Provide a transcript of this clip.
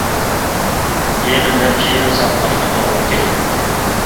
يەنە نەچچە يىل ساقلاشقا توغرا كېلىدۇ.